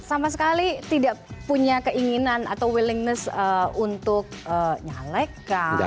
sama sekali tidak punya keinginan atau willingness untuk nyalekan